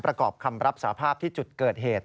ประกอบคำรับสาภาพที่จุดเกิดเหตุ